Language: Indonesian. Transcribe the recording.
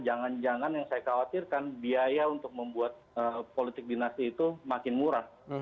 jangan jangan yang saya khawatirkan biaya untuk membuat politik dinasti itu makin murah